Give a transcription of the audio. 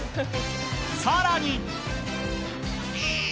さらに。